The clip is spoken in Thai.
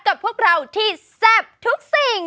กับพวกเราที่แซ่บทุกสิ่ง